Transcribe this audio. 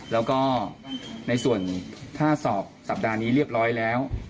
แล้วก็ในส่วนถ้าสอบสัปดาห์นี้เรียบร้อยแล้ว